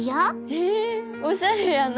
へえおしゃれやな。